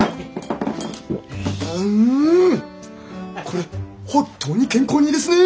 これ本当に健康にいいですね！